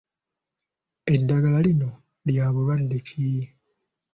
Eddagala lino lya bulwadde ki?